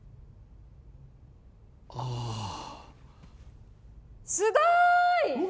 ああすごーい